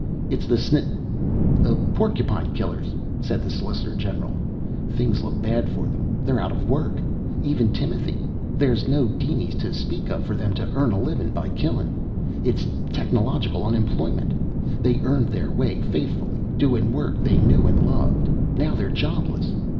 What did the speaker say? "It's the sn ... the porcupine killers," said the solicitor general. "Things look bad for them. They're out of work. Even Timothy. There's no dinies to speak of for them to earn a livin' by killin'. It's technological unemployment. They earned their way faithful, doin' work they knew an' loved. Now they're jobless.